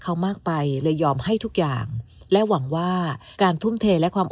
เขามากไปเลยยอมให้ทุกอย่างและหวังว่าการทุ่มเทและความ